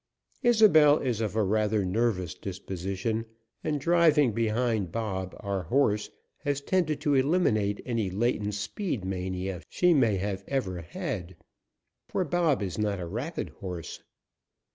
Isobel is of a rather nervous disposition, and driving behind Bob, our horse, had tended to eliminate any latent speed mania she may have ever had, for Bob is not a rapid horse.